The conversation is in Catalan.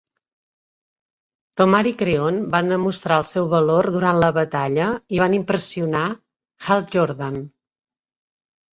Tomar i Kreon van demostrar el seu valor durant la batalla i van impressionar Hal Jordan.